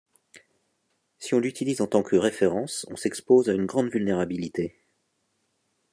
Si on l'utilise en tant que référence, on s'expose à une grande vulnérabilité.